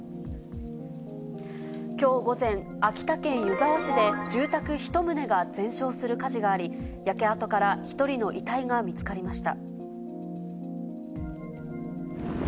きょう午前、秋田県湯沢市で住宅１棟が全焼する火事があり、焼け跡から１人の遺体が見つかりました。